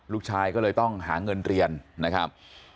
ลูกชายก็เลยต้องหาเงินเรียนนะครับ